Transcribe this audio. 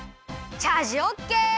チャージオッケー！